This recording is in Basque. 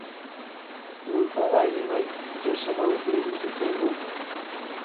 Bultzada ere bai. Joseba hurbildu zitzaigun.